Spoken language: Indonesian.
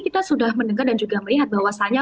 kita sudah mendengar dan juga melihat bahwasannya